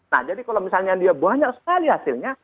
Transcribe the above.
nah jadi kalau misalnya dia banyak sekali hasilnya